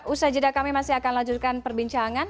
usai jeda kami masih akan lanjutkan perbincangan